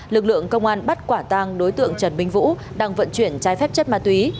lực lượng công an bắt quả tang đối tượng trần minh vũ đang vận chuyển trái phép chất ma túy